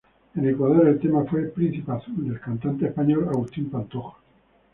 En Ecuador el tema fue "Príncipe azul" del cantante español Agustín Pantoja.